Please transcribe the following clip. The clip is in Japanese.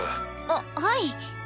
あっはい。